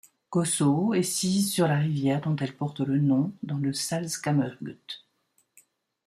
Gosau est sise sur la rivière dont elle porte le nom, dans le Salzkammergut.